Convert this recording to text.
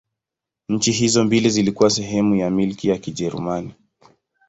Nchi hizo mbili zilikuwa sehemu ya Milki ya Kijerumani.